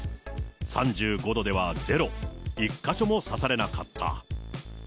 ３５度ではゼロ、１か所も刺されなかった。